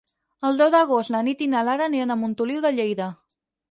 El deu d'agost na Nit i na Lara aniran a Montoliu de Lleida.